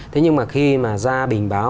thế nhưng mà khi mà ra bình báo